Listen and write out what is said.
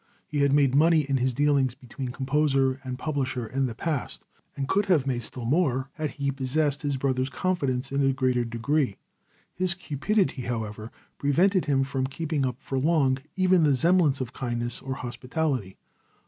He had made money in his dealings between composer and publisher in the past, and could have made still more had he possessed his brother's confidence in a greater degree. His cupidity however, prevented him from keeping up for long even the semblance of kindness or hospitality.